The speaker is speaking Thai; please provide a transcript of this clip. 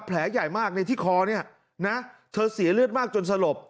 แผลใหญ่มากในที่คอเนี่ยนะเธอเสียเลือดมากจนสลบ